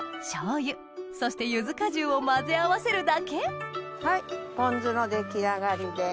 醤油そしてゆず果汁を混ぜ合わせるだけはいポン酢の出来上がりです。